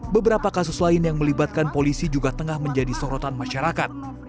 beberapa kasus lain yang melibatkan polisi juga tengah menjadi sorotan masyarakat